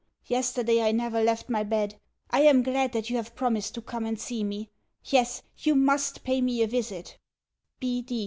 Yesterday I never left my bed. I am glad that you have promised to come and see me. Yes, you MUST pay me a visit.